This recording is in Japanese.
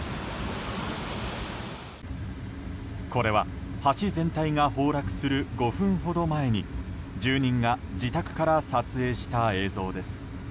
これは、橋全体が崩落する５分ほど前に住人が自宅から撮影した映像です。